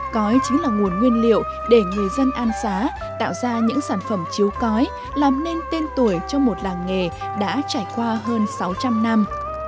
cói chính là nguồn nguyên liệu để người dân an xá tạo ra những sản phẩm chiếu cói làm nên tên tuổi cho một làng nghề đã trải qua hơn sáu trăm linh năm